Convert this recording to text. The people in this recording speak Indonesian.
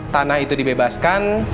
tanah itu dibebaskan